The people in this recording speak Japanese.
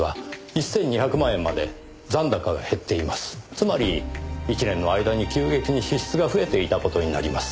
つまり１年の間に急激に支出が増えていた事になります。